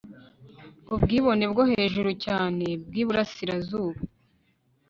Ubwibonebwohejuru cyane bwiburasirazuba